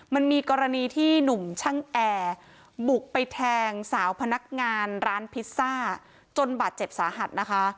มันมีกรณีที่หนุ่มช่างแอร์บุกไปแทงสาวพนักงานร้านพิซซ่าจนบาดเจ็บสาหัสนะคะ